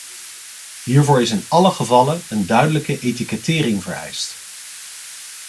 Hiervoor is in alle gevallen een duidelijke etikettering vereist.